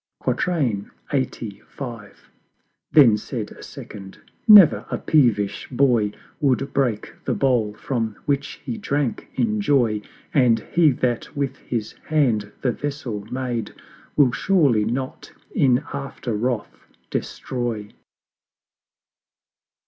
LXXXV. Then said a Second "Ne'er a peevish Boy Would break the Bowl from which he drank in joy; And He that with his hand the Vessel made Will surely not in after Wrath destroy."